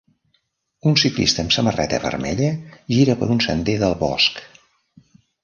Un ciclista amb samarreta vermella gira per un sender del bosc.